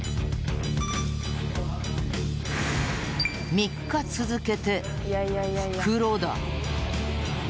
３日続けて、袋だ！